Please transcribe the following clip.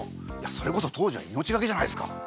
それこそ当時は命がけじゃないすか。